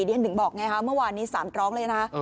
เดี๋ยวหนึ่งบอกไงเมื่อวานนี้สามร้องเลยนะ